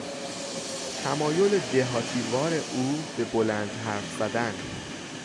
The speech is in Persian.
تمایل دهاتیوار او به بلند حرف زدن